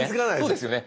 そうですよね。